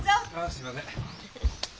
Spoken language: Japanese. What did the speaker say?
すいません。